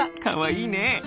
かわいいね。